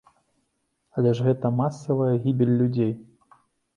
Але ж гэта масавая гібель людзей.